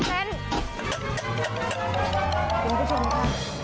คุณผู้ชมค่ะ